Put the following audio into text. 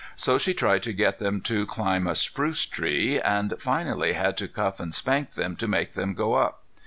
So she tried to get them to climb a spruce tree, and finally had to cuff and spank them to make them go up.